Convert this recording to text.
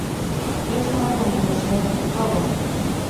Es una combinación de todo".